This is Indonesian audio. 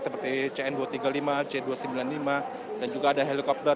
seperti cn dua ratus tiga puluh lima c dua ratus sembilan puluh lima dan juga ada helikopter